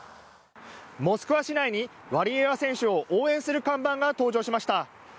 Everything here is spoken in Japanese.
モスクワ市内にワリエワ選手を応援する看板が登場しました。